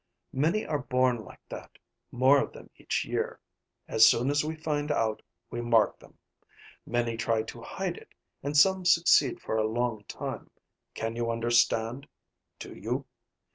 Many are born like that, more of them each year. As soon as we find out, we mark them. Many try to hide it, and some succeed for a long time. Can you understand? Do you?